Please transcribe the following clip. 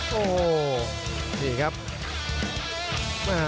โหนี่ครับ